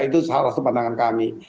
itu salah sepandangan kami